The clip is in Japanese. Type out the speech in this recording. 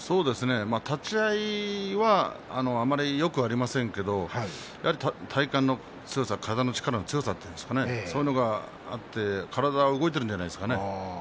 立ち合いはあまりよくありませんけど体幹の強さ体の力の強さというんでしょうかそれがあって体は動いているんじゃないでしょうか。